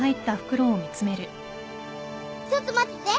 ちょっと待ってて。